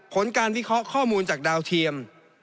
ผลการวิเคราะห์ข้อมูลจากดาวเทียม